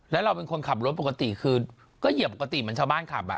แล้วเราเป็นคนขับรถปกติคือก็เหยียบปกติเหมือนชาวบ้านขับอ่ะ